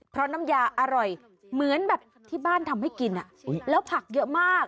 เพราะน้ำยาอร่อยเหมือนแบบที่บ้านทำให้กินแล้วผักเยอะมาก